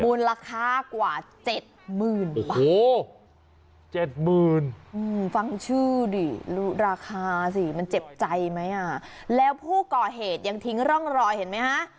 มูลค่ากว่า๗๐๐๐๗๐๐ฟังชื่อดิรู้ราคาสิมันเจ็บใจไหมอ่ะแล้วผู้ก่อเหตุยังทิ้งร่องรอยเห็นไหมฮะ